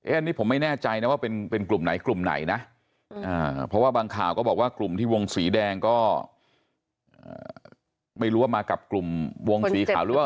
อันนี้ผมไม่แน่ใจนะว่าเป็นกลุ่มไหนกลุ่มไหนนะเพราะว่าบางข่าวก็บอกว่ากลุ่มที่วงสีแดงก็ไม่รู้ว่ามากับกลุ่มวงสีขาวหรือว่า